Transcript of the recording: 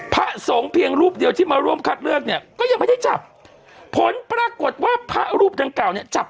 พระสงฆ์เพียงรูปเดียวที่มาร่วมคัดเลือกเนี่ยก็ยังไม่ได้จับ